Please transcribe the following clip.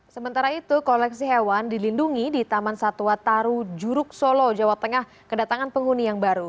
sementara itu koleksi hewan dilindungi di taman satwa taru juruk solo jawa tengah kedatangan penghuni yang baru